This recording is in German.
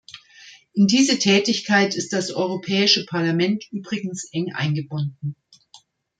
In diese Tätigkeit ist das Europäische Parlament übrigens eng eingebunden.